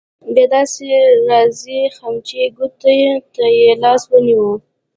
بیا داسې راځې خمچۍ ګوتې ته يې لاس ونیو.